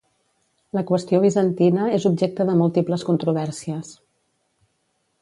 La qüestió bizantina és objecte de múltiples controvèrsies.